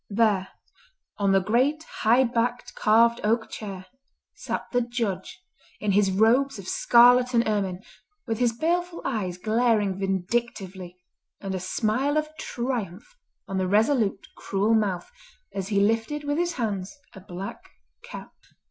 There, on the great high backed carved oak chair sat the Judge in his robes of scarlet and ermine, with his baleful eyes glaring vindictively, and a smile of triumph on the resolute, cruel mouth, as he lifted with his hands a black cap.